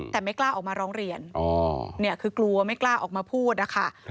แต่ไม่กล้าออกมาร้องเรียนคือกลัวไม่กล้าออกมาพูดนะคะ